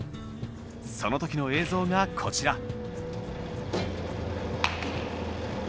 その時の映像がこちら。